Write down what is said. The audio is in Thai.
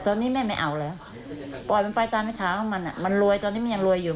ตราบใดที่มันทำมาแม่ยังอยู่